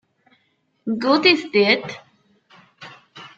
God Is Dead?